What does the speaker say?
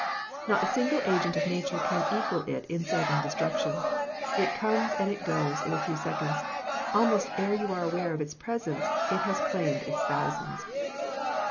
Not a single agent of nature can equal it in sudden destruction. It comes and it goes in a few seconds; almost ere you are aware of its presence it has claimed its thousands.